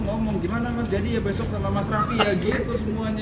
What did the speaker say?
tapi untuk jawatannya secara keseluruhan